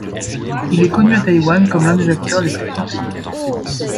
Il est connu à Taïwan comme l'un des acteurs les plus populaires.